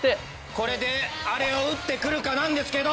これであれをうってくるかなんですけど。